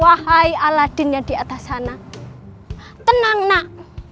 wahai aladin yang di atas sana tenang nak